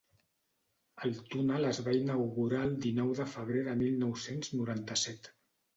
El túnel es va inaugurar el dinou de febrer de mil nou-cents noranta-set.